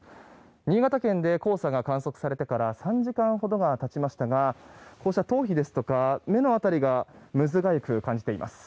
新潟県で黄砂が観測されてから３時間ほどが経ちましたが頭皮や目の辺りがむずがゆく感じています。